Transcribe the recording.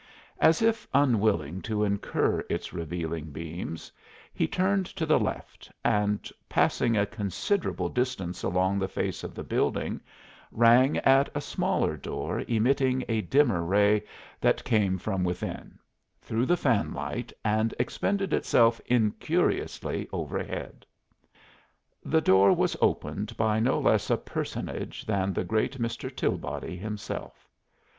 As if unwilling to incur its revealing beams, he turned to the left and, passing a considerable distance along the face of the building, rang at a smaller door emitting a dimmer ray that came from within, through the fanlight, and expended itself incuriously overhead. The door was opened by no less a personage than the great Mr. Tilbody himself.